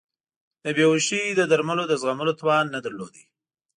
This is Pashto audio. د بیهوشۍ د درملو د زغملو توان نه درلود.